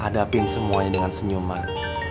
hadapin semuanya dengan senyuman